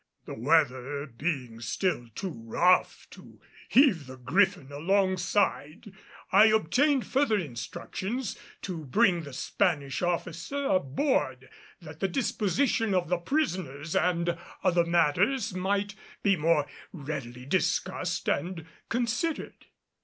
The weather being still too rough to heave the Griffin alongside, I obtained further instructions to bring the Spanish officer aboard that the disposition of the prisoners and other matters might be more readily discussed and considered.